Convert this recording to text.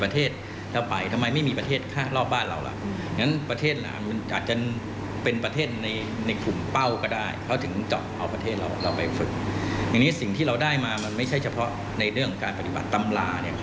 ที่เราได้มาไม่ใช่เฉพาะในเรื่องการปฏิบัติตำรา